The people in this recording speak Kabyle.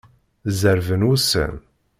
Zerrben wussan.